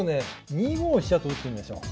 ２五飛車と打ってみましょう。